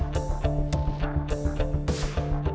jangan ber debated